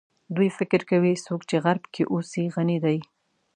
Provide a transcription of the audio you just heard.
دوی فکر کوي څوک چې غرب کې اوسي غني دي.